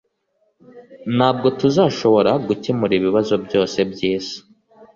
Ntabwo tuzashobora gukemura ibibazo byose byisi.